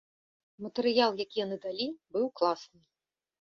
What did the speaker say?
Матэрыял, які яны далі, быў класны.